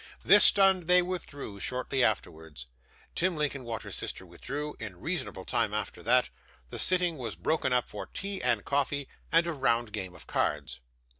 This done, they withdrew; shortly afterwards, Tim Linkinwater's sister withdrew; in reasonable time after that, the sitting was broken up for tea and coffee, and a round game of cards.